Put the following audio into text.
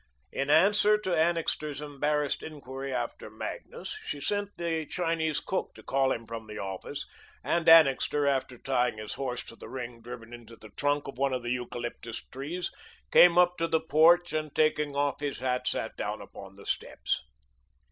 In answer to Annixter's embarrassed inquiry after Magnus, she sent the Chinese cook to call him from the office; and Annixter, after tying his horse to the ring driven into the trunk of one of the eucalyptus trees, came up to the porch, and, taking off his hat, sat down upon the steps.